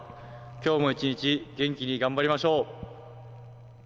今日も一日元気に頑張りましょう。